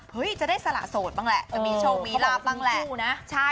จะได้สละโสดบ้างแหละจะมีโชคมีลาบบ้างแหละ